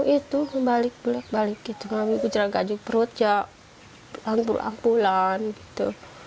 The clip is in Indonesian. itu balik balik gitu ngambil bujraganjuk perut ya ampul ampulan gitu